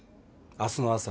明日の朝？